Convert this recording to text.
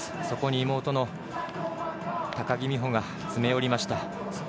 そこに妹の高木美帆が詰め寄りました。